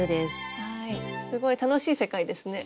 すごい楽しい世界ですね。